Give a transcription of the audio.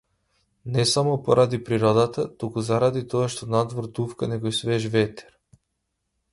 Не само поради пригодата, туку заради тоа што надвор дувка некој свеж ветер.